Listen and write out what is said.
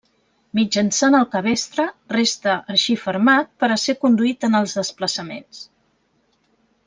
Mitjançant el cabestre resta així fermat per a ser conduït en els desplaçaments.